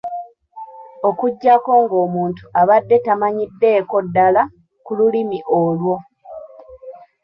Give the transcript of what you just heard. Okuggyako ng'omuntu abadde tamanyiddeeko ddala ku lulumi olwo.